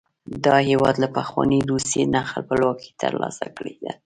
دا هېواد له پخوانۍ روسیې نه خپلواکي تر لاسه کړې ده.